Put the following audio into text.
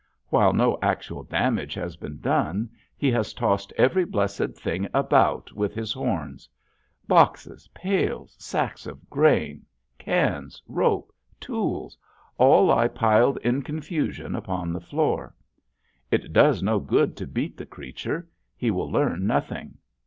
While no actual damage has been done he has tossed every blessed thing about with his horns. Boxes, pails, sacks of grain, cans, rope, tools, all lie piled in confusion about the floor. It does no good to beat the creature. He will learn nothing.